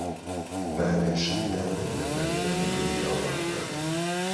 باوێشکدان لە بەردەم منداڵەکان